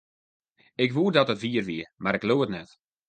Ik woe dat it wier wie, mar ik leau it net.